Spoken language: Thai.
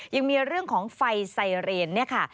ยังมีเรื่องของไฟไซเรนเนี่ยค่ะ